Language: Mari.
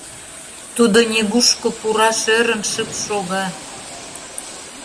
Тудо нигушко пураш ӧрын, шып шога.